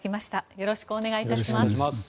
よろしくお願いします。